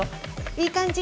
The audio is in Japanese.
いい感じ。